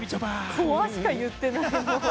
「怖っ」しか言ってない。